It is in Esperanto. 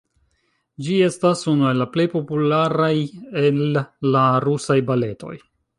Ĝi estas unu el plej popularaj el la Rusaj Baletoj.